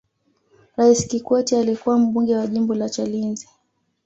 raisi kikwete alikuwa mbunge wa jimbo la chalinze